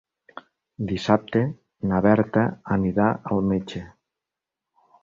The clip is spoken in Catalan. Dissabte na Berta anirà al metge.